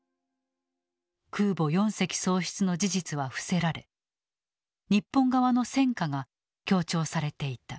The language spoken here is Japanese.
空母４隻喪失の事実は伏せられ日本側の戦果が強調されていた。